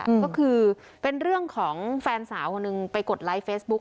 ก็คือเป็นเรื่องของแฟนสาวคนหนึ่งไปกดไลค์เฟซบุ๊ค